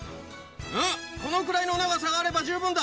うん、このくらいの長さがあれば十分だ。